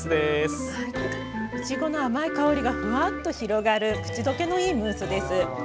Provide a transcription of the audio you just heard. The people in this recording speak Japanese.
いちごの甘い香りがフワッと広がる口どけのいいムースです。